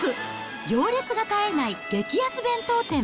行列が絶えない激安弁当店。